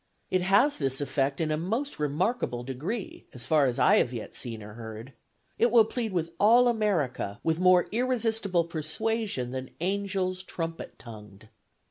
It has this effect in a most remarkable degree, as far as I have yet seen or heard. It will plead with all America with more irresistible persuasion than angels trumpet tongued.